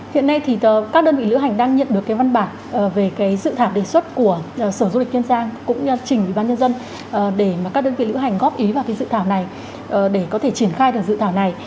hiện nay thì các đơn vị lữ hành đang nhận được cái văn bản về cái dự thảo đề xuất của sở du lịch kiên giang cũng như trình ủy ban nhân dân để mà các đơn vị lữ hành góp ý vào cái dự thảo này để có thể triển khai được dự thảo này